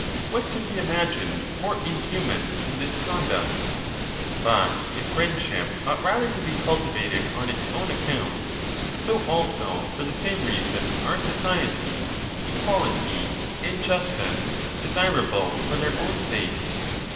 What can be imagined more inhuman than this conduct ? But if friendship ought rather to be cultivated on its own account, so also for the same reason are society, equality, and justice, desirable for their own sakes.